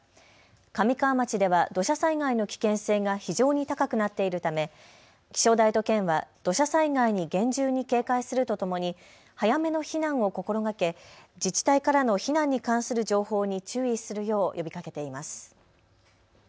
神川町では土砂災害の危険性が非常に高くなっているため気象台と県は土砂災害に厳重に警戒するとともに早めの避難を心がけ自治体からの避難に関する情報に注意するよう呼びかけています。